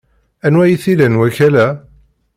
Anwa ay t-ilan wakal-a?